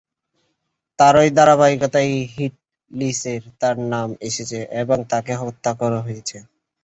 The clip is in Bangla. তারই ধারাবাহিকতায় হিটলিস্টে তাঁর নাম এসেছে এবং তাঁকে হত্যা করা হয়েছে।